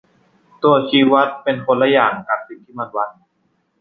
ตัวชี้วัดเป็นคนละอย่างกับสิ่งที่มันวัด